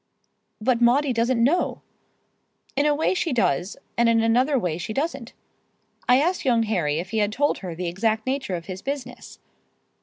"But Maudie doesn't know." "In a way she does, and in another way she doesn't. I asked young Harry if he had told her the exact nature of his business.